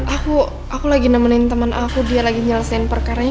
aku aku lagi nemenin temen aku dia lagi nyelesain perkaranya